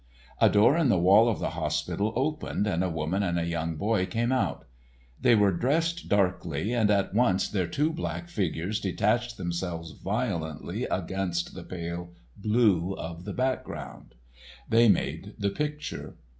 A door in the wall of the hospital opened, and a woman and a young boy came out. They were dressed darkly, and at once their two black figures detached themselves violently against the pale blue of the background. They made the picture.